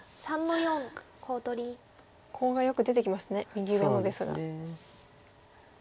コウがよく出てきますね右上もですが。